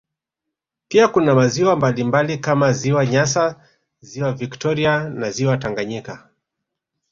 Pia kuna maziwa mbalimbali kama ziwa nyasa ziwa victoria na ziwa Tanganyika